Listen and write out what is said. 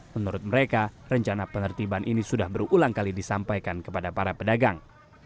menurut mereka rencana penertiban ini sudah berulang kali disampaikan kepada para pedagang